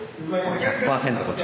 １００％こっち？